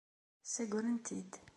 Ssagren-t-id.